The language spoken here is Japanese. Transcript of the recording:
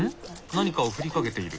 何かを振りかけている。